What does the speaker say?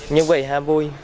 nhưng vậy ham vui